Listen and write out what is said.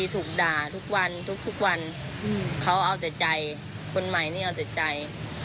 ถูกด่าทุกวันทุกวันเขาเอาแต่ใจคนใหม่นี่เอาแต่ใจ